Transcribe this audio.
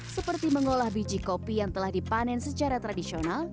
seperti mengolah biji kopi yang telah dipanen secara tradisional